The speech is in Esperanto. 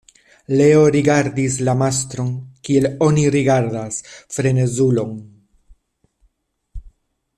Leo rigardis la mastron kiel oni rigardas frenezulon.